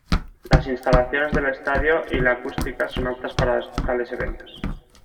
Las instalaciones del estadio y la acústica son aptas para tales eventos.